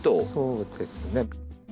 そうですね。